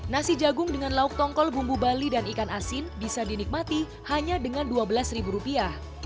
nasi jagung dengan lauk tongkol bumbu bali dan ikan asin bisa dinikmati hanya dengan dua belas ribu rupiah